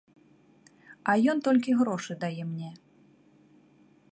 А ён толькі грошы дае мне.